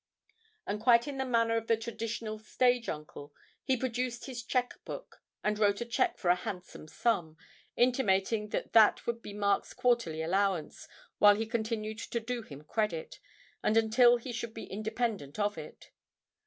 And, quite in the manner of the traditional stage uncle, he produced his cheque book and wrote a cheque for a handsome sum, intimating that that would be Mark's quarterly allowance while he continued to do him credit, and until he should be independent of it.